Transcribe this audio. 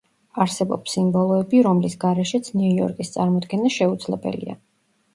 არსებობს სიმბოლოები, რომლის გარეშეც ნიუ-იორკის წარმოდგენა შეუძლებელია.